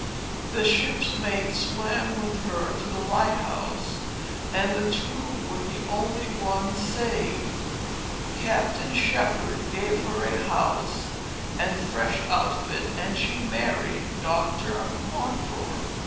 The ship's mate swam with her to the lighthouse, and the two were the only ones saved. Captain Shepherd gave her a house and fresh outfit, and she married Dr. Mountfort.